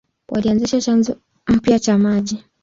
Walianzisha chanzo mpya cha maji.